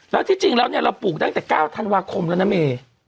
แล้วที่จริงแล้วเนี่ยเราปลูกตั้งแต่๙ธันวาคมแล้วนะเม